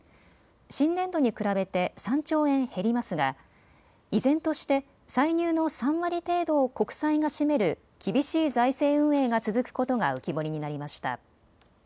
新年度に比べて３兆円減りますが依然として歳入の３割程度を国債が占める厳しい財政運営が続くことが浮き彫りになりました。